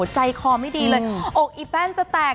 ใจคอไม่ดีเลยอกอีแป้นจะแตก